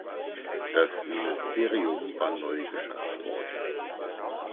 Das Ministerium war neu geschaffen worden.